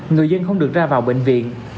người dân không được ra vào bệnh viện